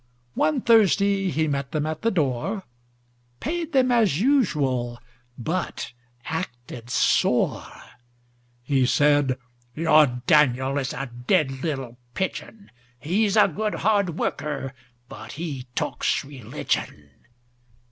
One Thursday he met them at the door:—Paid them as usual, but acted sore. He said:—"Your Daniel is a dead little pigeon. He's a good hard worker, but he talks religion."